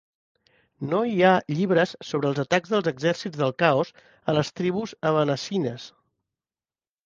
No hi ha llibres sobre els atacs dels exèrcits del Caos a les tribus abanasines.